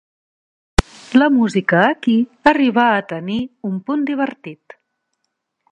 La música aquí, arribar a tenir un punt divertit.